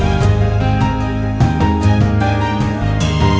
tangan jangan berisi